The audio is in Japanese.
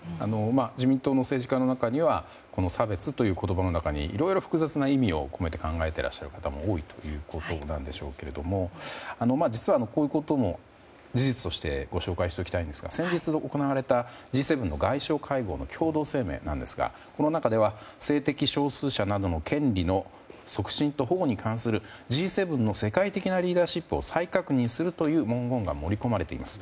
自民党の政治家の中には差別という言葉の中にいろいろ複雑な意味を込めて考えてらっしゃる方も多いということなんでしょうけれども実はこういうことも事実としてご紹介しておきたいんですが先日行われたＧ７の外相会合の共同声明なんですがこの中では性的少数者などの権利の促進と保護に関するＧ７の世界的なリーダーシップを再確認するという文言が盛り込まれています。